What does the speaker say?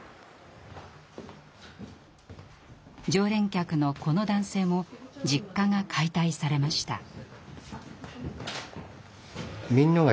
常連客のこの男性も実家が解体されました。